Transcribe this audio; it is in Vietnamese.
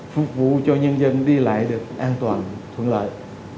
phục vụ cho nhân dân đi lại được an toàn thuận lợi